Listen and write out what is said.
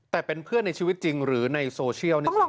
แต่เป็นเพื่อนในชีวิตจริงหรือในโซเชียลนี่จริง